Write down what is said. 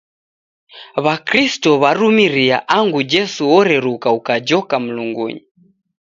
W'akristo w'arumiria angu Jesu oreruka ukajoka Mlungunyi.